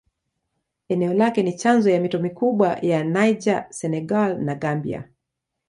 Eneo lake ni chanzo ya mito mikubwa ya Niger, Senegal na Gambia.